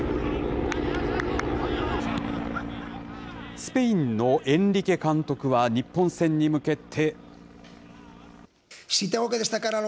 スペインのエンリケ監督は、日本戦に向けて。